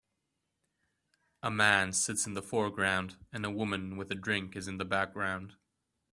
A man sits in the foreground, and a woman with a drink is in the background.